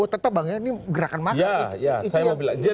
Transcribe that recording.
tetap bang ini gerakan maka